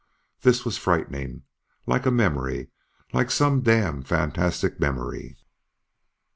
This was frightening. Like a memory. Like some damned fantastic memory.